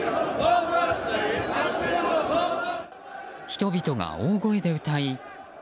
人々が大声で歌い。